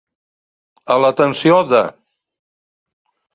A l'atenció de.